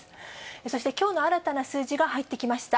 そしてきょうの新たな数字が入ってきました。